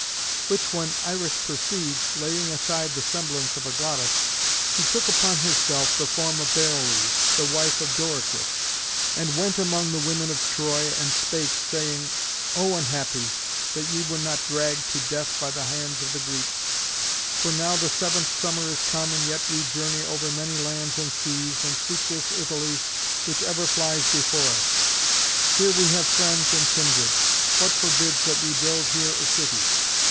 Which when Iris perceived, laying aside the semblance of a goddess, she took upon herself the form of Beroé, the wife of Doryclus, and went among the women of Troy and spake, saying, "O unhappy, that ye were not dragged to death by the hands of the Greeks! For now the seventh summer is come, and yet we journey over many lands and seas, and seek this Italy which ever flies before us. Here we have friends and kindred. What forbids that we build here a city?